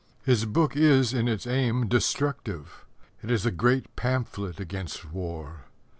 His book is in its aim destructive. It is a great pamphlet against war.